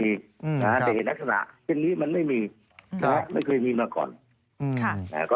แต่เหตุลักษณะเช่นนี้มันไม่มีนะครับไม่เคยมีมาก่อน